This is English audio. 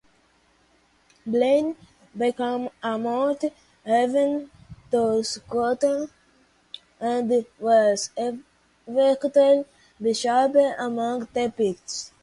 Blane became a monk, went to Scotland, and was eventually bishop among the Picts.